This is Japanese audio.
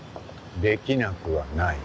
できなくはない。